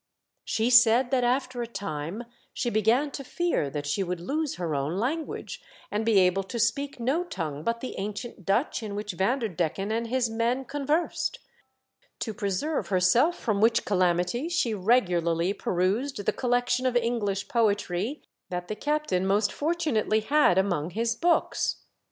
She said that after a time she besfan to fear that she would lose her own language and be able to speak no tongue but the ancient Dutch in which Van derdecken and his men conversed, to preserve herself from which calamity she regularly perused the collection of English poetry that the captain most fortunately had among his books.